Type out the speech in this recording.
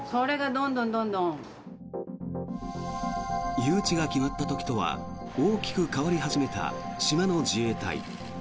誘致が決まった時とは大きく変わり始めた島の自衛隊。